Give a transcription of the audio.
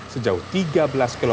sejauh tiga belas km